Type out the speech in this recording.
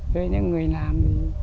thuê những người làm